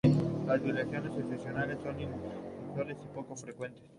Las violaciones excepcionales son inusuales y poco frecuentes.